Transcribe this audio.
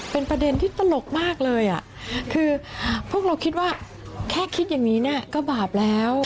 เป็นประเด็นที่ตลกมากเลยอ่ะคือพวกเราคิดว่าแค่คิดอย่างนี้เนี่ยก็บาปแล้ว